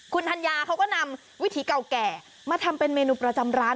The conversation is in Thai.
คุณธัญญาเขาก็นำวิถีเก่าแก่มาทำเป็นเมนูประจำร้าน